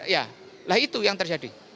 ya lah itu yang terjadi